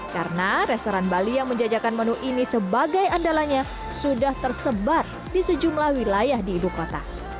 karena restoran bali yang menjajakan menu ini sebagai andalanya sudah tersebar di sejumlah wilayah di ibu kota